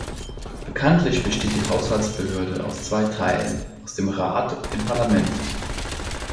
Bekanntlich besteht die Haushaltsbehörde aus zwei Teilen, aus dem Rat und dem Parlament.